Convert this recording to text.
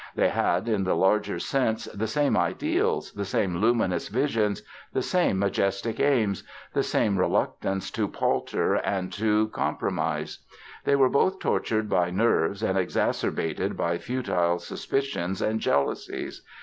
They had, in the larger sense, the same ideals, the same luminous visions, the same majestic aims, the same reluctance to palter and to compromise. They were both tortured by nerves and exacerbated by futile suspicions and jealousies.